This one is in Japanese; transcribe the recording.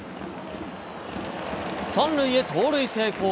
３塁へ盗塁成功。